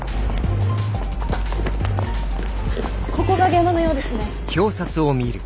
ここが現場のようですね。